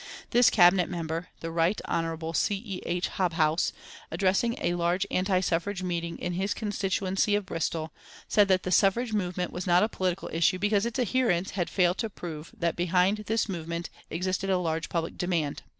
This Cabinet Minister, the right Honourable C. E. H. Hobhouse, addressing a large anti suffrage meeting in his constituency of Bristol, said that the suffrage movement was not a political issue because its adherents had failed to prove that behind this movement existed a large public demand.